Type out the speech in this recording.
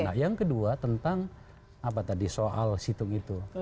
nah yang kedua tentang apa tadi soal situng itu